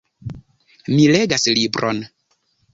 Mi legas libron.